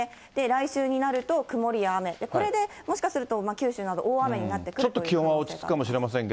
来週になると、曇りや雨、これでもしかすると九州など大雨になってくる可能性があるかもしれません。